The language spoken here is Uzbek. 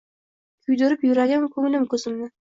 Kuydirib yuragim, ko‘nglim, ko‘zimni